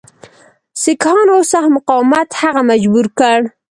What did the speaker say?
سیکهانو سخت مقاومت هغه مجبور کړ.